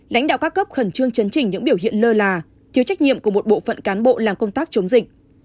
lãnh đạo các cấp khẩn trương chấn chỉnh những biểu hiện lơ là thiếu trách nhiệm của một bộ phận cán bộ làm công tác chống dịch